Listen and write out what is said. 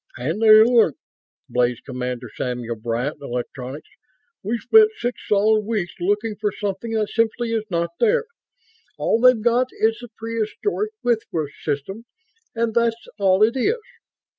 "And they aren't!" blazed Commander Samuel Bryant (Electronics). "We've spent six solid weeks looking for something that simply is not there. All they've got is the prehistoric Whitworth system and that's all it is.